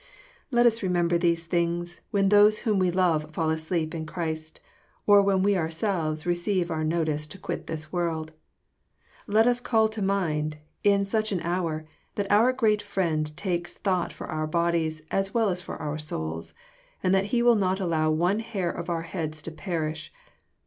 Let us remember these things when those whom wo love fall asleep in Christ, or when we ourselves receive our no tice to quit this world. Let us call to mind, in such an hour, that our great Friend takes thought for our bodies as ^ell as for our souls, and that He will not allow one hair of our heads to perish.